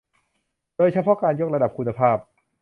โดยเฉพาะการยกระดับคุณภาพ